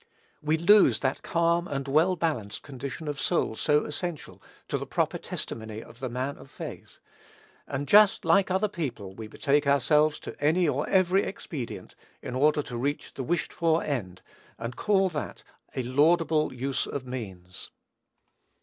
We lose that calm and well balanced condition of soul so essential to the proper testimony of the man of faith; and, just like other people, betake ourselves to any or every expedient, in order to reach the wished for end, and call that "a laudable use of means."